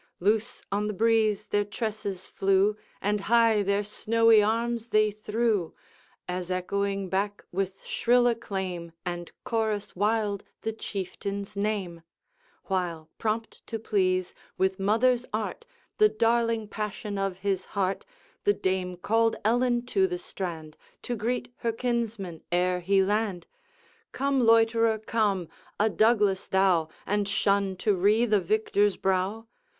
Loose on the breeze their tresses flew, And high their snowy arms they threw, As echoing back with shrill acclaim, And chorus wild, the Chieftain's name; While, prompt to please, with mother's art The darling passion of his heart, The Dame called Ellen to the strand, To greet her kinsman ere he land: 'Come, loiterer, come! a Douglas thou, And shun to wreathe a victor's brow?'